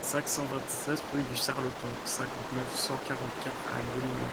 cinq cent vingt-sept rue du Sarloton, cinquante-neuf, cent quarante-quatre à Gommegnies